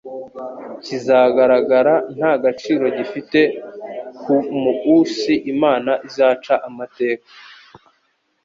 "kizagaragara nta gaciro gifite ku muusi Imana izaca amateka,